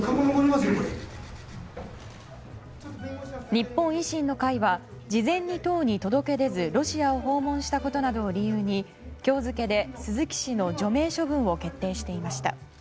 日本維新の会は事前に党に届け出ずロシアを訪問したことなどを理由に今日付で鈴木氏の除名処分を決定していました。